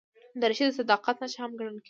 دریشي د صداقت نښه هم ګڼل کېږي.